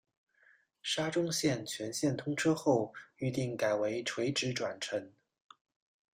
沙中线全线通车后预定改为垂直转乘。